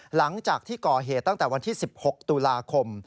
หลังจากที่ก่อเหตุตั้งแต่วันที่๑๖ตุลาคม